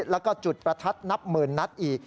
แล้วก็จุดประทัดนับหมื่นนัดอีก